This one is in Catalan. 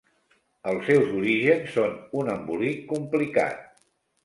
Els seus orígens són un embolic complicat.